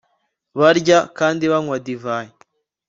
barya kandi banywa divayi